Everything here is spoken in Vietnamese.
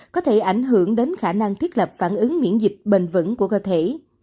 có thể ảnh hưởng đến khả năng thiết lập phản ứng miễn dịch bền vững của cơ thể